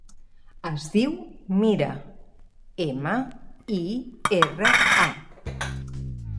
Es diu Mira: ema, i, erra, a.